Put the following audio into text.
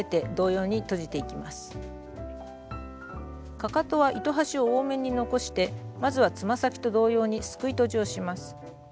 かかとは糸端を多めに残してまずはつま先と同様にすくいとじをします。